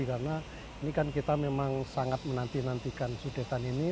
karena ini kan kita memang sangat menantikan sudetan ini